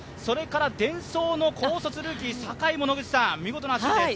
デンソーの高卒ルーキー、酒井も見事な走りです。